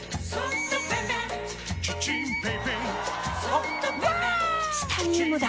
チタニウムだ！